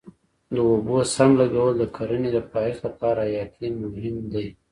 د اوبو سم لګول د کرنې د پایښت لپاره حیاتي مهم دی.